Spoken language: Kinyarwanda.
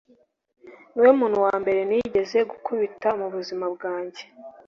niwe muntu wambere nigeze gukubita mubuzima bwanjye